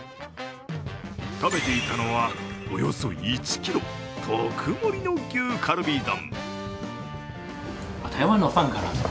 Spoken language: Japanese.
食べていたのは、およそ１ｋｇ特盛りの牛かるび丼。